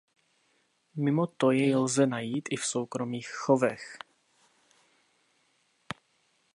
Mimo to jej lze najít i v soukromých chovech.